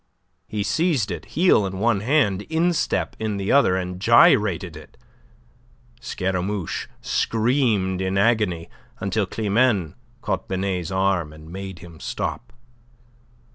He seized it, heel in one hand, instep in the other, and gyrated it. Scaramouche screamed in agony, until Climene caught Binet's arm and made him stop.